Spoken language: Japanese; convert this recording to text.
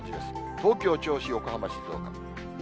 東京、銚子、横浜、静岡。